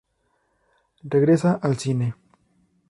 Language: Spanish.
Regresa al cine.